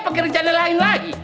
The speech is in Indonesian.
pakai rencana lain lagi